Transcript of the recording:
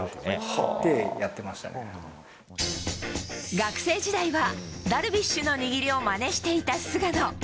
学生時代はダルビッシュの握りをまねしていた菅野。